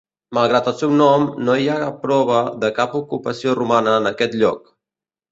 Malgrat el seu nom, no hi ha prova de cap ocupació romana en aquest lloc.